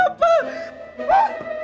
lu apaan mak lu